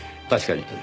確かに。